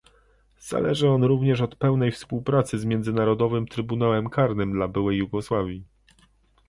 Zależy on również od pełnej współpracy z Międzynarodowym Trybunałem Karnym dla byłej Jugosławii